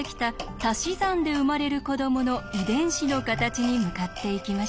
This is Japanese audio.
たし算で生まれる子どもの遺伝子の形に向かっていきました。